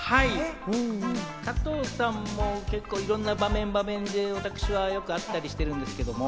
加藤さんも結構、いろんな場面場面で私はよく会ったりしてるんですけれども。